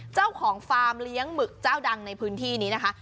ฟาร์มเลี้ยงหมึกเจ้าดังในพื้นที่นี้นะคะ